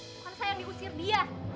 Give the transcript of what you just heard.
bukan saya yang diusir dia